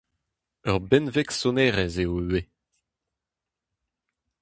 Ur benveg sonerezh eo ivez.